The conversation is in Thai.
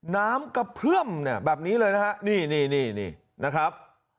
น้ำกระเพื่อมเนี่ยแบบนี้เลยนะฮะนี่นี่นะครับ